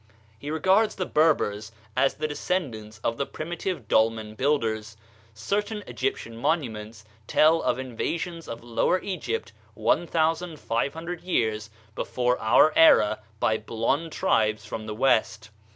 He regards the Berbers as the descendants of the primitive dolmen builders. Certain Egyptian monuments tell of invasions of Lower Egypt one thousand five hundred years before our era by blond tribes from the West.